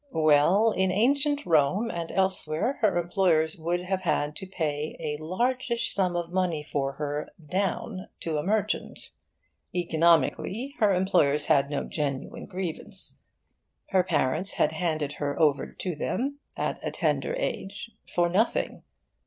Well, in ancient Rome and elsewhere, her employers would have had to pay a large ish sum of money for her, down, to a merchant. Economically, her employers had no genuine grievance. Her parents had handed her over to them, at a tender age, for nothing.